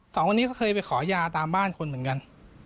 สองคนนี้เขาเคยไปขอยาตามบ้านคนเหมือนกัน